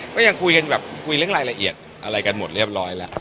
ก็ยังคุยกันแบบคุยเรื่องรายละเอียดอะไรกันหมดเรียบร้อยแล้ว